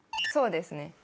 そうですね。